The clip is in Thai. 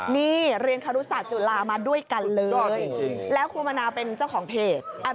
นี่เรียนครุศาสตุลามาด้วยกันเลยแล้วครูมนาเป็นเจ้าของเพจ